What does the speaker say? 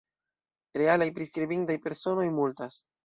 Realaj priskribindaj personoj multas.